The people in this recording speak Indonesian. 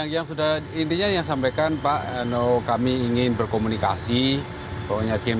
yang sudah intinya yang sampaikan pak kami ingin berkomunikasi